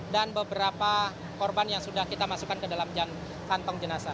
dan beberapa korban yang sudah kita masukkan ke dalam kantong jenazah